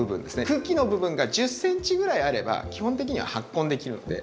茎の部分が１０ｃｍぐらいあれば基本的には発根できるので。